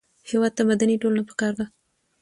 هېواد ته مدني ټولنه پکار ده